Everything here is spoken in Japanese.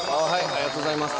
ありがとうございます。